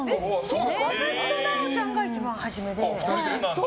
私と直ちゃんが一番初めで。